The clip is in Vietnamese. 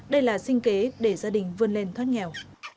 đây là sinh kế để gia đình vươn lên thoát nghèo